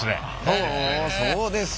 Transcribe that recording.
ほうそうですか。